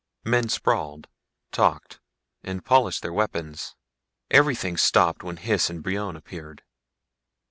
Men sprawled, talked, and polished their weapons. Everything stopped when Hys and Brion appeared.